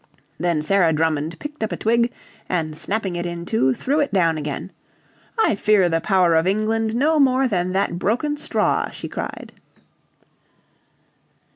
Then Sarah Drummond picked up a twig, and snapping it in two, threw it down again. "I fear the power of England no more than that broken straw," she cried.